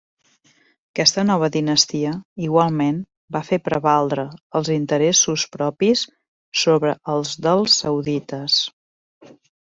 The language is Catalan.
Aquesta nova dinastia igualment va fer prevaldre els interessos propis sobre els dels saudites.